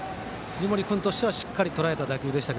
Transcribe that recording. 藤森君としてはしっかりとらえた打球でした。